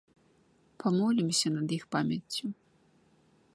Памолімся над іх памяццю.